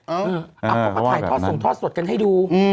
เขาก็มาถ่ายทอดส่งทอดสดกันให้ดู